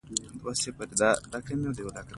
ناڅاپه د قيتول د کلا عمومي دروازه خلاصه شوه.